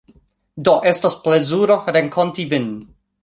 Do, estas plezuro renkonti vin